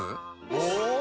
お！